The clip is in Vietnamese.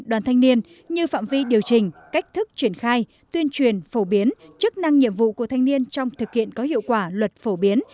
đoàn thanh niên như phạm vi điều chỉnh cách thức triển khai tuyên truyền phổ biến chức năng nhiệm vụ của thanh niên trong thực hiện có hiệu quả luật phổ biến